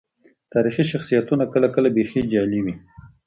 تاريخي شخصيتونه کله کله بيخي جعلي وي.